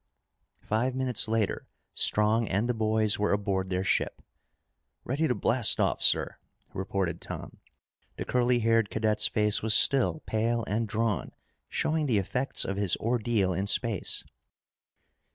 Five minutes later, Strong and the boys were aboard their ship. "Ready to blast off, sir," reported Tom. The curly haired cadet's face was still pale and drawn, showing the effects of his ordeal in space.